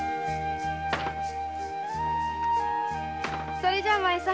それじゃお前さん